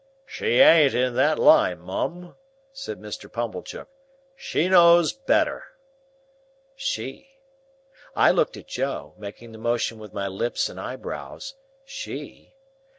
"She ain't in that line, Mum," said Mr. Pumblechook. "She knows better." She? I looked at Joe, making the motion with my lips and eyebrows, "She?"